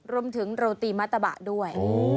รวมถึงโรตีมัตตะบะด้วย